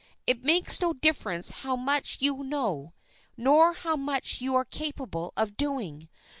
It makes no difference how much you know, nor how much you are capable of doing.